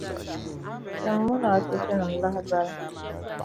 Tim munaafichinim lahabali.